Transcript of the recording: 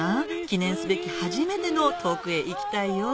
記念すべき初めての『遠くへ行きたい』よ